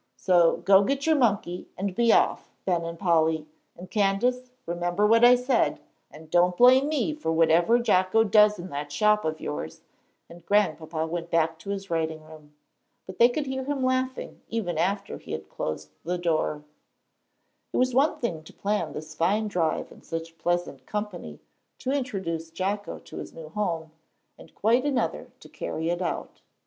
So go get your monkey, and be off, Ben and Polly! And, Candace, remember what I said, and don't blame me for whatever Jocko does in that shop of yours," and Grandpapa went back to his writing room. But they could hear him laughing even after he had closed the door. It was one thing to plan this fine drive in such pleasant company to introduce Jocko to his new home, and quite another to carry it out.